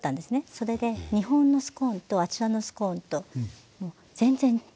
それで日本のスコーンとあちらのスコーンと全然食感も違いますし。